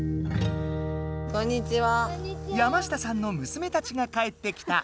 山下さんのむすめたちが帰ってきた！